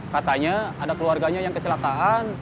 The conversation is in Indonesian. katanya ada keluarganya yang kecelakaan